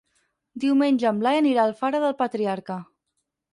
Diumenge en Blai anirà a Alfara del Patriarca.